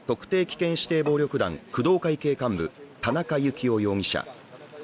危険指定暴力団工藤会系幹部、田中幸雄容疑者。